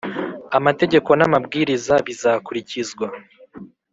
Amategeko n’ amabwiriza bizakurikizwa